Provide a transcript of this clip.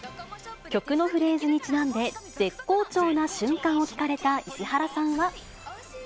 曲のフレーズにちなんで、絶好調な瞬間を聞かれた石原さんは。